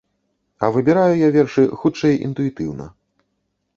А выбіраю я вершы, хутчэй, інтуітыўна.